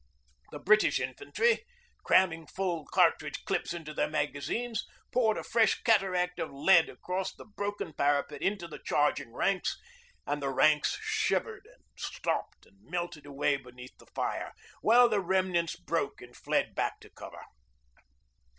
The British infantry, cramming full cartridge clips into their magazines, poured a fresh cataract of lead across the broken parapet into the charging ranks, and the ranks shivered and stopped and melted away beneath the fire, while the remnants broke and fled back to cover.